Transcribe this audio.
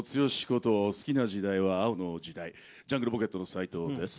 こと好きな時代は、青の時代ジャングルポケットの斉藤です。